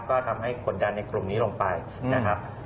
ก็ทำให้กดดันในกลุ่มนี้ลงไปนะครับ